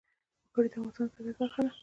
وګړي د افغانستان د طبیعت برخه ده.